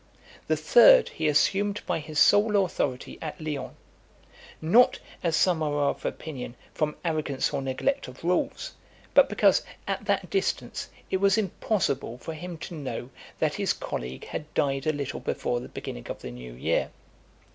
The third he assumed by his sole authority at Lyons; not, as some are of opinion, from arrogance or neglect of rules; but because, at that distance, it was impossible for him to know that his colleague had died a little before the beginning of the new year.